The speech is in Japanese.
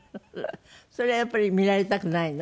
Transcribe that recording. それはやっぱり見られたくないの？